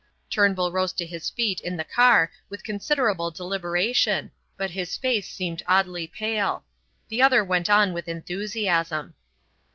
Turnbull rose to his feet in the car with considerable deliberation, but his face seemed oddly pale. The other went on with enthusiasm.